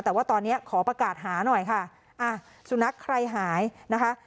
แต่ว่าตอนนี้ขอประกาศหาหน่อยค่ะอ่ะสุนัขใครหายนะคะ